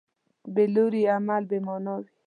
بېلوري عمل بېمانا وي.